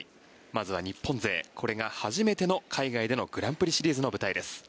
まずは日本勢これが初めての海外でのグランプリシリーズの舞台です。